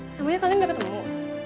emangnya kalian udah ketemu